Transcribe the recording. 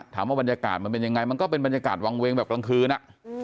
ถามว่าบรรยากาศมันเป็นยังไงมันก็เป็นบรรยากาศวางเวงแบบกลางคืน